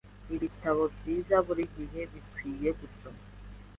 Ibitabo byiza buri gihe bikwiye gusoma .